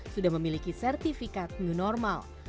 sudah memiliki sertifikat new normal